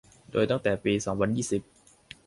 โดยตั้งแต่ปี สองพันยี่สิบ